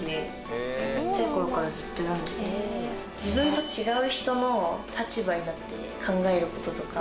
自分と違う人の立場になって考えることとか。